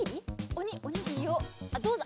おにおにぎりをどうぞ。